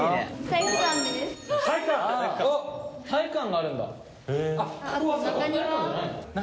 体育館があるんだ。